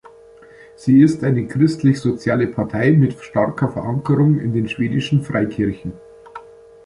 Sie ist eine christlich-soziale Partei mit starker Verankerung in den schwedischen Freikirchen.